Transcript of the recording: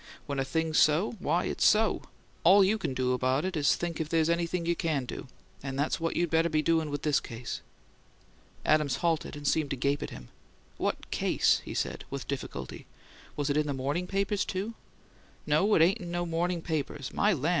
When a thing's so, why, it's so. All you can do about it is think if there's anything you CAN do; and that's what you better be doin' with this case." Adams halted, and seemed to gape at him. "What case?" he said, with difficulty. "Was it in the morning papers, too?" "No, it ain't in no morning papers. My land!